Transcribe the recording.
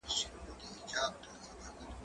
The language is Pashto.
زه اوس ليک لولم،